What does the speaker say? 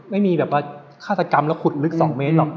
ไม่มีแบบว่าฆาตกรรมแล้วขุดลึก๒เมตรหรอก